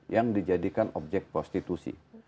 yang dijadikan objek prostitusi